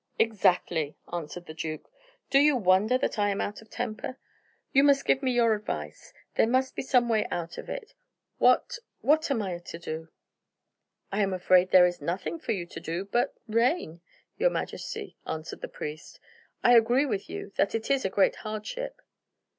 "Exactly," answered the duke. "Do you wonder that I am out of temper? You must give me your advice. There must be some way out of it. What what am I to do?" "I am afraid there is nothing for you to do but reign ... your Majesty," answered the priest. "I agree with you that it is a great hardship."